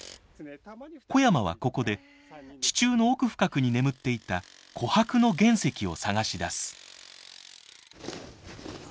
小山はここで地中の奥深くに眠っていた琥珀の原石を探し出す。